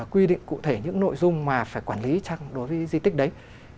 quy định cụ thể những nội dung mà phải quản lý đối với di tích đấy